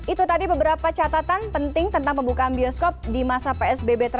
itu tadi beberapa catatan penting tentang pembukaan bioskop di masa psbb transisi